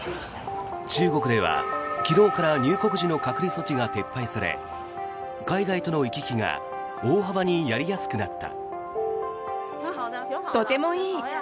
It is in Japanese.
中国では昨日から入国時の隔離措置が撤廃され海外との行き来が大幅にやりやすくなった。